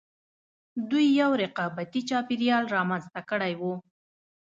دوی یو رقابتي چاپېریال رامنځته کړی و